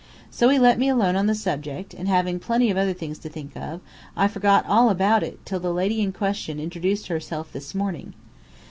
So he let me alone on the subject; and having plenty of other things to think of, I forgot all about it till the lady in question introduced herself this morning.